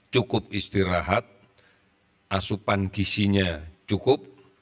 cukup istirahat asupan gisinya cukup